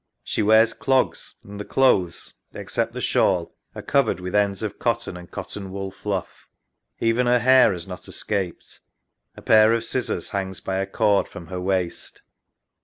She wears clogs, and the clothes — except the shawl — are covered with ends of cotton and cotton ioool fluff. Even her hair has not escaped. A pair of scissors hangs by a cord from her waist.